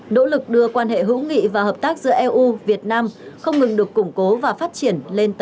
nỗ lực đưa quan hệ hữu nghị và hợp tác giữa eu việt nam không ngừng được củng cố và phát triển lên tầm cao mới